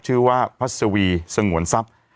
ชื่อว่าพัศวีสงวนทรัพย์